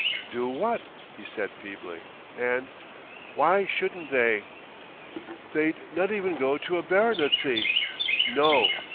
"Do what?" he said feebly; and, "Why shouldn't they?" "They'd not even go to a baronetcy. _No!